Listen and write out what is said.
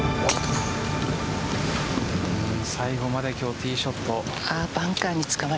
最後まで今日ティーショット。